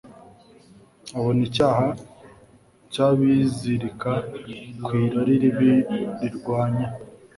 abona icyaha cy’abizirika ku irari ribi rirwanya